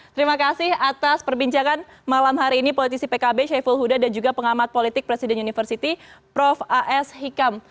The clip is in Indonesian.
terima kasih atas perbincangan malam hari ini politisi pkb syaiful huda dan juga pengamat politik presiden university prof as hikam